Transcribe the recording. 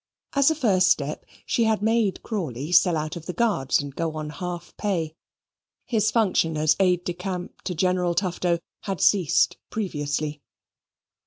As a first step she had made Crawley sell out of the Guards and go on half pay. His function as aide de camp to General Tufto had ceased previously.